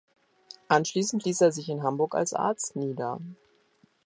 Anschließend ließ er sich in Hamburg als Arzt nieder.